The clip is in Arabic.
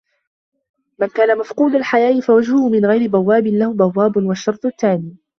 مَنْ كَانَ مَفْقُودَ الْحَيَاءِ فَوَجْهُهُ مِنْ غَيْرِ بَوَّابٍ لَهُ بَوَّابُ وَالشَّرْطُ الثَّانِي